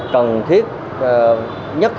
cần thiết nhất hiện